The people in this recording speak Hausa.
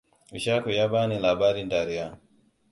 Ishaku ya bani labarin dariya.